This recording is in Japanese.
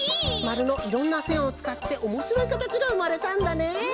まるのいろんなせんをつかっておもしろいかたちがうまれたんだね！